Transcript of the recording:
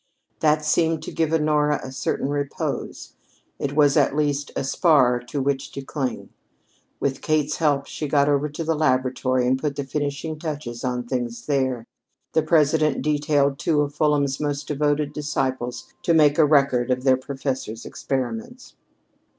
That seemed to give Honora a certain repose it was at least a spar to which to cling. With Kate's help she got over to the laboratory and put the finishing touches on things there. The President detailed two of Fulham's most devoted disciples to make a record of their professor's experiments.